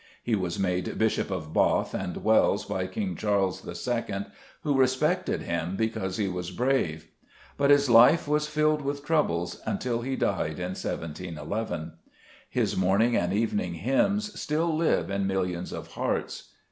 He was made Bishop of Bath and Wells by King Charles II, who respected him because he was brave. But his life was filled with troubles until he died in 1711. His morn ing and evening hymns still live in millions of hearts.